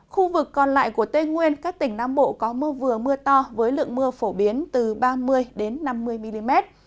khu vực còn lại của tây nguyên các tỉnh nam bộ có mưa vừa mưa to với lượng mưa phổ biến từ ba mươi năm mươi mm